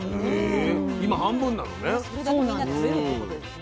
今半分なのね。